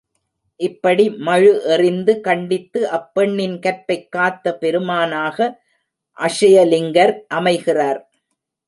இப்படி மழு எறிந்து கண்டித்து அப்பெண்ணின் கற்பைக் காத்த பெருமானாக அக்ஷயலிங்கர் அமைகிறார்.